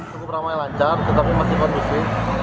cukup ramai lancar tetapi masih kondusif